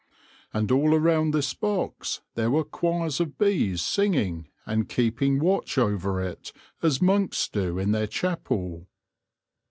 And all around this box there were choirs of bees singing, and keeping watch over it, as monks do in their chapel.